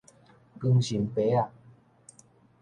捲心白仔